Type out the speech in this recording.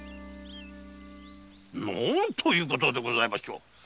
何ということでございましょう！